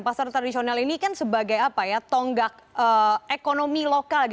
pasar tradisional ini kan sebagai tonggak ekonomi lokal